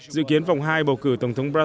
dự kiến vòng hai bầu cử tổng thống brazil